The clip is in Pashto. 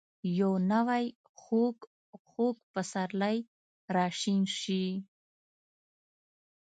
یو نوی ،خوږ. خوږ پسرلی راشین شي